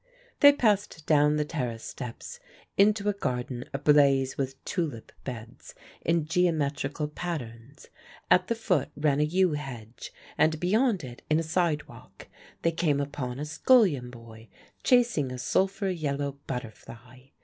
They passed down the terrace steps into a garden ablaze with tulip beds in geometrical patterns; at the foot ran a yew hedge, and beyond it, in a side walk, they came upon a scullion boy chasing a sulphur yellow butterfly.